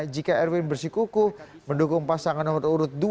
jika erwin bersikuku mendukung pasangan nomor urut dua